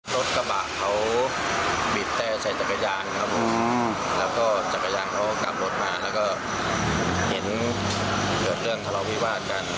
รถกระบะเขาบีบแต่ใส่จักรยานครับแล้วก็จักรยานเขากลับรถมาแล้วก็เห็นเกิดเรื่องทะเลาวิวาสกัน